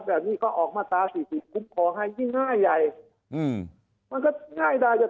แบบนี้เขาออกมาตราสีสีที่คุ้มคลอให้ยิ่งง่าย